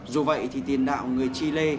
dù vậy thì tiền đạo người chile